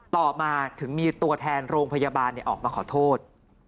ต่อมาถึงมีตัวแทนโรงพยาบาลออกมาขอโทษ